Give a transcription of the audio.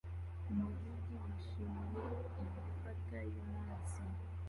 Umuhigi yishimiye iyi fata yumunsi